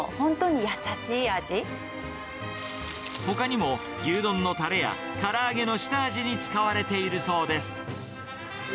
ほかにも牛丼のたれや、から揚げの下味に使われているそうです。